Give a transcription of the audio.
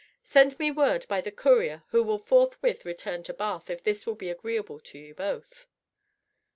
Send me word by the courier who will forthwith return to Bath if this will be agreeable to you both."